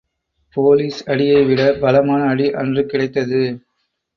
Police அடியைவிடபலமான அடி அன்று கிடைத்தது.